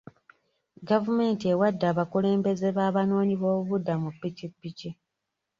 Gavumenti ewadde abakulembeze b'abanoonyi boobubudamu ppikipiki.